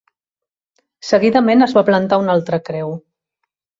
Seguidament es va plantar una altra creu.